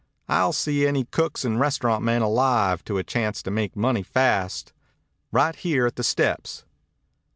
I'll see any cooks and restaurant men alive to a chance to make money fast. Right here at the steps."